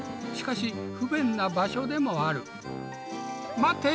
しかし不便な場所でもある。